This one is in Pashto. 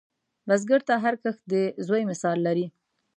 بزګر ته هر کښت د زوی مثال لري